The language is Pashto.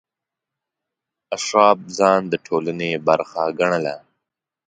اشراف ځان د ټولنې برخه ګڼله.